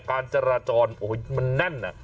การจราจรมันนั่น